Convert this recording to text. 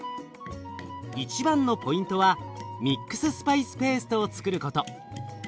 一番のポイントはミックススパイスペーストをつくること。